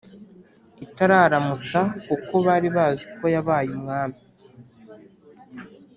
itararamutsa kuko bari bazi ko yabaye Umwami